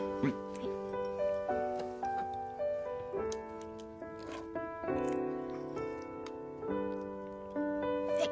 はいはい。